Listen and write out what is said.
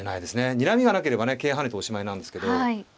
にらみがなければね桂跳ねておしまいなんですけど。